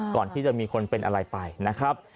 ก่อนที่จะมีคนเป็นอะไรไปนะครับ